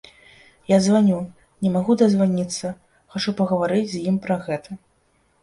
Я званю, не магу дазваніцца, хачу пагаварыць з ім пра гэта.